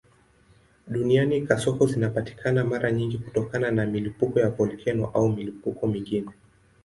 Duniani kasoko zinapatikana mara nyingi kutokana na milipuko ya volkeno au milipuko mingine.